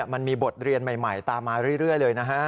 มันมีบทเรียนใหม่ตามมาเรื่อยเลยนะฮะ